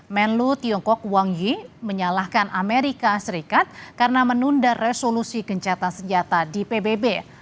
menlu tiongkok wang yi menyalahkan amerika serikat karena menunda resolusi kencatan senjata di pbb